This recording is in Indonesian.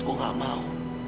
gue gak mau